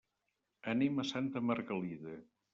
Anem a Santa Margalida.